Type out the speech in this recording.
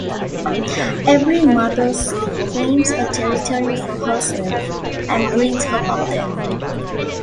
Every mother seal claims a territory for herself and breeds her pup there.